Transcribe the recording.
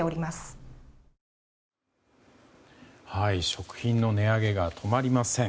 食品の値上げが止まりません。